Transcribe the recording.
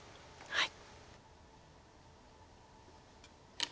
はい。